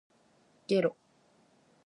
げろ